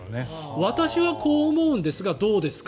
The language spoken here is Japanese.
私はこう思うんですがどうですか？